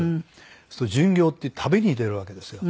そうすると巡業って旅に出るわけですよ。